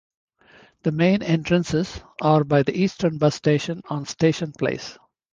The main entrances are by the eastern bus station on Station Place.